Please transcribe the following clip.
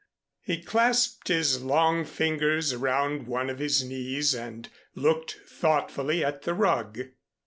He clasped his long fingers around one of his knees and looked thoughtfully at the rug.